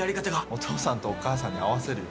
お父さんとお母さんに会わせるよ。